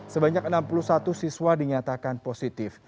sebanyak enam puluh satu siswa dinyatakan positif